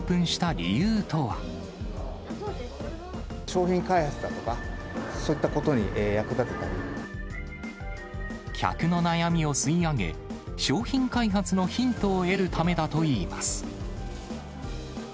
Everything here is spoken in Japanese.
商品開発だとか、客の悩みを吸い上げ、商品開発のヒントを得るためだといいます。